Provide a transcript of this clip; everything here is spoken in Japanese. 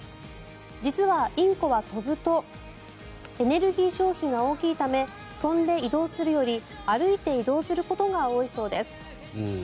実はインコは飛ぶとエネルギー消費が大きいため飛んで移動するより歩いて移動することが多いそうです。